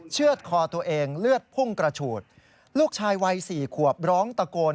เชื่อดคอตัวเองเลือดพุ่งกระฉูดลูกชายวัย๔ขวบร้องตะโกน